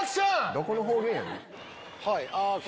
どこの方言やねん。